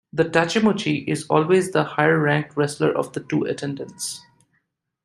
The "tachimochi" is always the higher ranked wrestler of the two attendants.